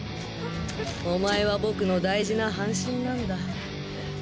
お前は僕の大事な半身なんだ。